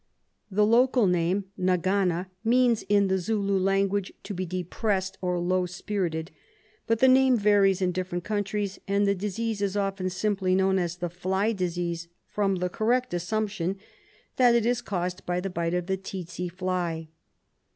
The local name, "Nagana," means in the Zulu language to be "depressed" or "low spirited," but the name varies in different countries, and the disease is often known simply as the "fly disease," from the correct assumption that it is caused by the bite of the tsetse fly.